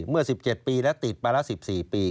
เมื่อ๑๗ปีและติดประลักษณ์๑๔ปี